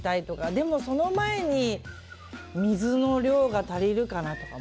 でも、その前に水の量が足りるかなとか。